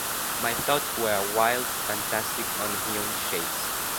My thoughts wear wild, fantastic, unhewn shapes.